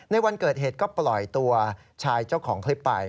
ในวันเกิดเหตุก็ปล่อยตัวชายเจ้าของคลิปไป